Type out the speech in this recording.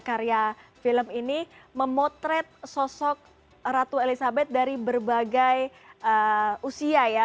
karya film ini memotret sosok ratu elizabeth dari berbagai usia ya